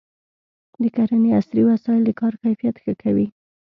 د کرنې عصري وسایل د کار کیفیت ښه کوي.